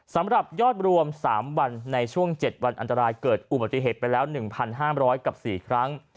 สำหรับยอดรวม๓วันในช่วง๗วันอันตรายเกิดอุบัติเหตุไปแล้ว๑๕๐๐กับ๔ครั้ง